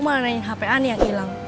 malah nanyain hp ani yang ilang